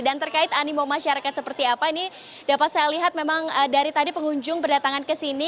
dan terkait animo masyarakat seperti apa ini dapat saya lihat memang dari tadi pengunjung berdatangan ke sini